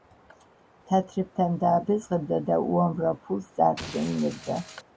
თათრებთან დააბეზღებდა და უამრავ ფულს წაართმევინებდა.